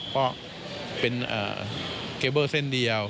เพราะเป็นเคเบิลเส้นเดียว